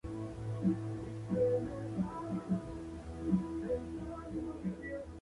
Se trata de uno de los espectadores, que planea un delito sanguinario.